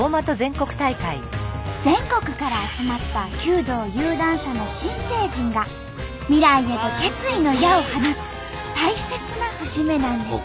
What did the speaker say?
全国から集まった弓道有段者の新成人が未来へと決意の矢を放つ大切な節目なんです。